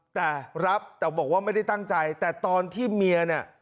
แต่รับแต่บอกว่าไม่ได้ตั้งใจแต่ตอนที่เมียเนี่ย